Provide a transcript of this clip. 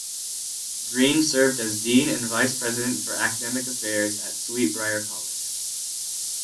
Green served as dean and vice president for academic affairs at Sweet Briar College.